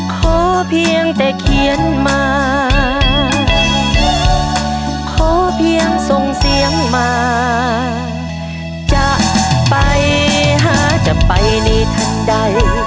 ขอบคุณครับ